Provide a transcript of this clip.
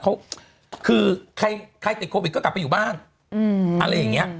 คือใครติดโควิดก็กลับไปอยู่บ้าง